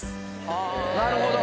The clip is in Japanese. なるほど。